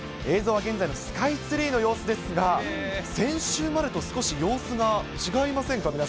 映像は現在のスカイツリーの様子ですが、先週までと少し様子が違いませんか？